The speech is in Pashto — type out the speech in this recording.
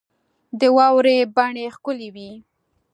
د واورې بڼې ښکلي وې.